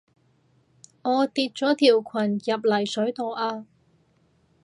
我跌咗條裙入泥水度啊